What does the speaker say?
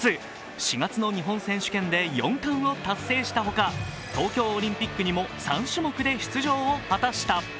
４月の日本選手権で４冠を達成したほか、東京オリンピックにも３種目で出場を果たした。